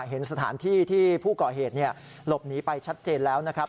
เห็นสถานที่ที่ผู้ก่อเหตุหลบหนีไปชัดเจนแล้วนะครับ